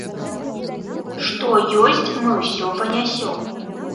Што ёсць, мы ўсё панясём.